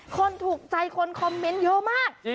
คนถูกใจคนคอมเมนต์เยอะมาก